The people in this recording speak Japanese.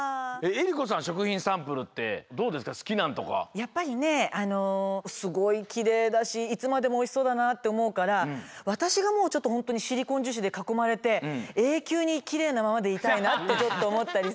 やっぱりねあのすごいきれいだしいつまでもおいしそうだなあっておもうからわたしがもうちょっとほんとにシリコンじゅしでかこまれてえいきゅうにきれいなままでいたいなってちょっとおもったりするわね。